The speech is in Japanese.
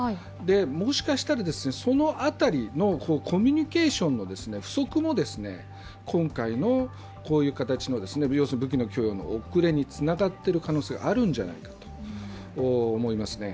もしかしたら、その辺りのコミュニケーションの不足も今回のこういう形の利用する武器の遅れにつながっているんじゃないかと思いますね。